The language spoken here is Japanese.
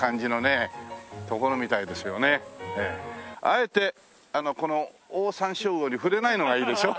あえてこのオオサンショウウオに触れないのがいいでしょ？